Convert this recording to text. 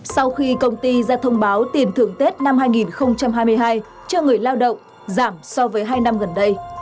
sau khi công ty ra thông báo tiền thưởng tết năm hai nghìn hai mươi hai cho người lao động giảm so với hai năm gần đây